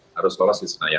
harus lolos di senayan